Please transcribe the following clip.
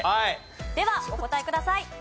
ではお答えください。